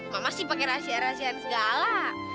mama sih pake rahasia rahasian segala